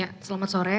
ya selamat sore pak